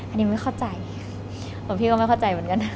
อันนี้ไม่เข้าใจหลวงพี่ก็ไม่เข้าใจเหมือนกันนะ